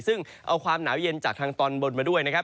ซึ่งเอาความหนาวเย็นจากทางตอนบนมาด้วยนะครับ